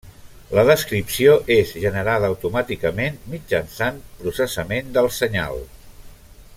La descripció és generada automàticament mitjançant processament del senyal.